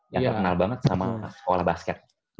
yang terkenal banget sama sekolah basket